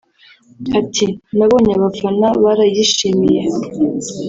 Ati “ Nabonye abafana barayishimiye